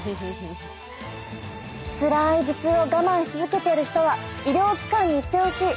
つらい頭痛を我慢し続けている人は医療機関に行ってほしい。